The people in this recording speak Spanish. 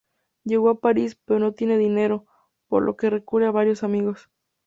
Llega a París, pero no tiene dinero, por lo que recurre a varios amigos.